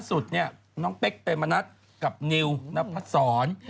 สุดนี่น้องเป็นไปมานัดกับนิวหน้าภาคสร